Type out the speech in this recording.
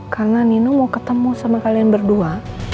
karena nina mau ketemu sama kalian berdua